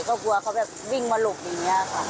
ก็กลัวเขาแบบวิ่งมาหลบอย่างนี้ค่ะ